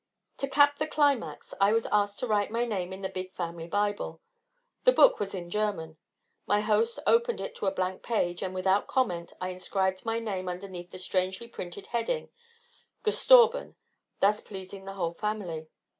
To cap the climax, I was asked to write my name in the big family Bible. The book was in German. My host opened it to a blank page, and, without comment, I inscribed my name underneath the strangely printed heading Gestorben, thus pleasing the whole family.